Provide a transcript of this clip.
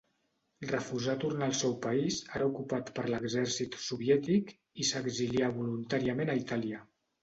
Refusà tornar al seu país, ara ocupat per l'exèrcit soviètic, i s'exilià voluntàriament a Itàlia.